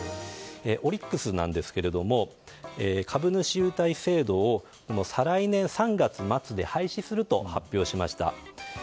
オリックスなんですけれども株主優待制度を再来年３月末で廃止すると発表しました。